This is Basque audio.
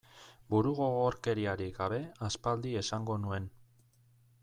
Burugogorkeriarik gabe aspaldi esango nuen.